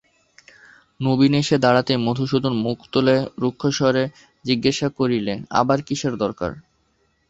নবীন এসে দাঁড়াতেই মধুসূদন মুখ তুলে রুক্ষস্বরে জিজ্ঞাসা করলে, আবার কিসের দরকার?